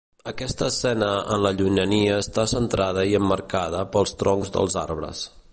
Aquesta escena en la llunyania està centrada i emmarcada pels troncs dels arbres.